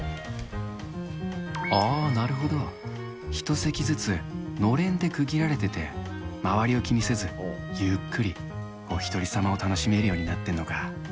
ああ、なるほど、１席ずつのれんで区切られてて、周りを気にせず、ゆっくり、おひとり様を楽しめるようになってんのか。